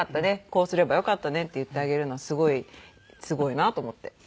こうすればよかったねって言ってあげるのはすごいすごいなと思って。